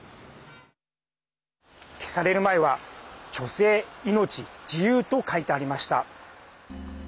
消される前は、女性・命・自由と書いてありました。